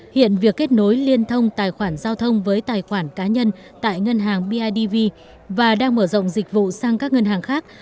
hiện việc kết nối liên thông tài khoản giao thông với tài khoản cá nhân tại ngân hàng bidv và đang mở rộng dịch vụ sang các ngân hàng khác